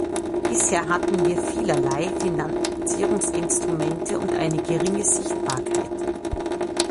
Bisher hatten wir vielerlei Finanzierungsinstrumente und eine geringe Sichtbarkeit.